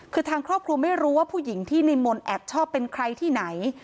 คือทางครอบครัวไม่รู้ว่าผู้หญิงที่ในมนต์แอบชอบเป็นใครที่ไหน